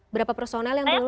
berapa personal yang belum